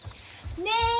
ねえ！